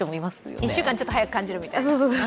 １週間、ちょっと早く感じるみたいな。